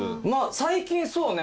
最近そうね